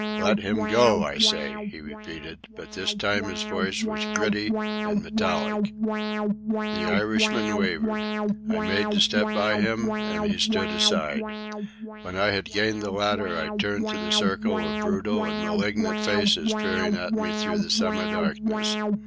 "Let him go, I say," he repeated; but this time his voice was gritty and metallic. The Irishman wavered. I made to step by him, and he stood aside. When I had gained the ladder, I turned to the circle of brutal and malignant faces peering at me through the semi darkness.